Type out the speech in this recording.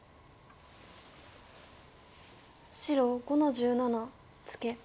白５の十七ツケ。